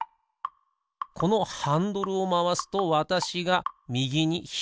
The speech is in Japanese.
このハンドルをまわすとわたしがみぎにひだりにとうごくはこ。